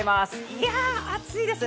いやあ、暑いです。